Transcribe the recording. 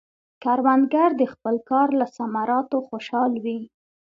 کروندګر د خپل کار له ثمراتو خوشحال وي